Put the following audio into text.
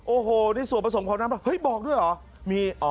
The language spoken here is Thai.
โอ้โหนี่ส่วนผสมของน้ำแบบเฮ้ยบอกด้วยเหรอ